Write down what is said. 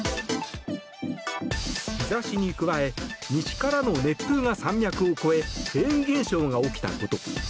日差しに加え西からの熱風が山脈を越えフェーン現象が起きたこと。